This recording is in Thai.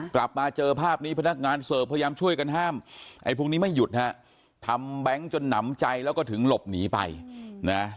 กลับมาเจอภาพนี้พนักงานเสิร์ฟพยายามช่วยกันห้ามไอ้พวกนี้ไม่หยุดฮะทำแบงค์จนหนำใจแล้วก็ถึงหลบหนีไปนะ